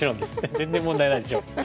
全然問題ないでしょう。